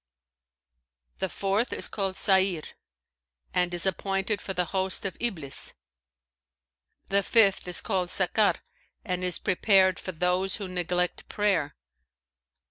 [FN#526] The fourth is called Sa'νr and is appointed for the host of Iblis. The fifth is called Sakar and is prepared for those who neglect prayer.